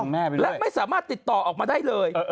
และไม่สามารถติดต่อออกมาได้เลย